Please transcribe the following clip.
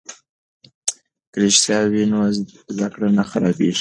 که رښتیا وي نو زده کړه نه خرابیږي.